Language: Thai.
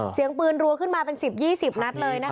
เสียงปืนรัวขึ้นมาเป็น๑๐๒๐นัดเลยนะคะ